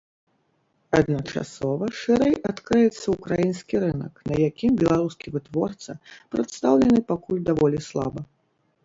Адначасова шырэй адкрыецца ўкраінскі рынак, на якім беларускі вытворца прадстаўлены пакуль даволі слаба.